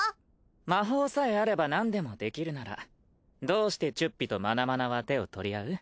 魔法さえあればなんでもできるならどうしてチュッピとマナマナは手を取り合う？